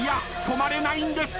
止まれないんです。